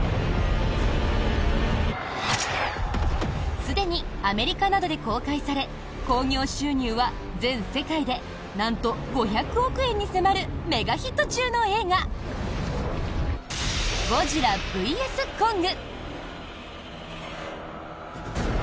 すでにアメリカなどで公開され興行収入は全世界でなんと５００億円に迫るメガヒット中の映画「ゴジラｖｓコング」。